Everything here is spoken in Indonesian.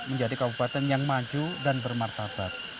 menjadi kabupaten yang maju dan bermartabat